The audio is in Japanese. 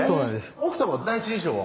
奥さま第一印象は？